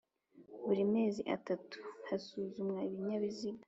Buri mezi atandatu hasuzumwa ibinyabiziga